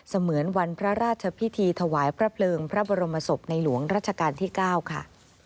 เหมือนวันพระราชพิธีถวายพระเพลิงพระบรมศพในหลวงรัชกาลที่๙ค่ะ